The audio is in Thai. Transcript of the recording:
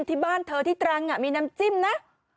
ที่บ้านเธอที่ตรังมีน้ำจิ้มนะ